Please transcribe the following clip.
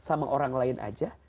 sama orang lain aja